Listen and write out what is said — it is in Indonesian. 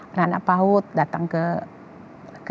anak anak paut datang ke